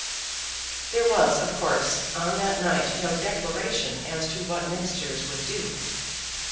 There was, of course, on that night no declaration as to what ministers would do.